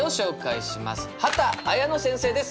畑綾乃先生です。